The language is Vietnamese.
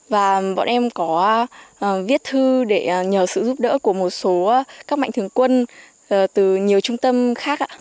và bọn em có viết thư để nhờ sự giúp đỡ của một số các mạnh thường quân từ nhiều trung tâm khác